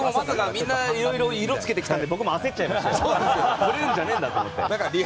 みんないろいろ色を付けてきたので僕も焦っちゃいました。